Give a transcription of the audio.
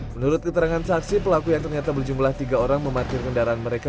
menurut keterangan saksi pelaku yang ternyata berjumlah tiga orang memarkir kendaraan mereka